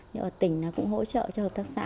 nhưng ở tỉnh nó cũng hỗ trợ cho hợp tác xã